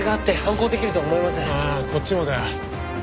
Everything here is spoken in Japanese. ああこっちもだ。